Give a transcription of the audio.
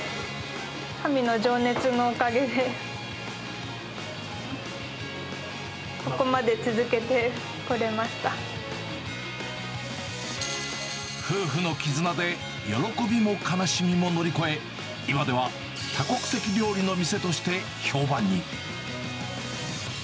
かみの情熱のおかげで、夫婦の絆で喜びも悲しみも乗り越え、今では多国籍料理の店として評判に。